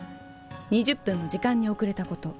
２０分も時間に遅れたこと。